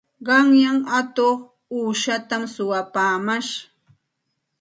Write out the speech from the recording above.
Qanyan atuq uushatam suwapaamash.